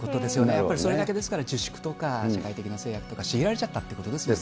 やっぱりそれだけ、ですから自粛とか、社会的な制約とか強いられちゃったということですよね。